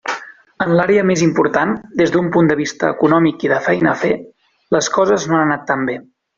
En l'àrea més important, des d'un punt de vista econòmic i de feina a fer, les coses no han anat tan bé.